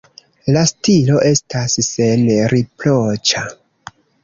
La stilo estas senriproĉa.